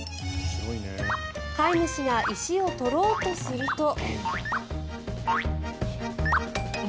飼い主が石を取ろうとすると。